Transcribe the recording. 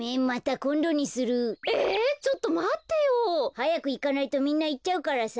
はやくいかないとみんないっちゃうからさ。